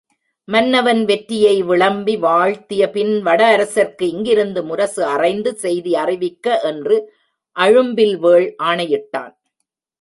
மன்னவன் வெற்றியை விளம்பி வாழ்த்தியபின் வடஅரசர்க்கு இங்கிருந்து முரசு அறைந்து செய்தி அறிவிக்க என்று அழும்பில் வேள் ஆணையிட்டான்.